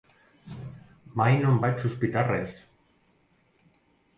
Mai no en vaig sospitar res.